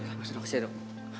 makasih ya dok